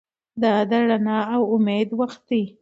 دا د رڼا او امید وخت دی.